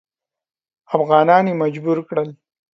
افغانان یې مجبور کړل.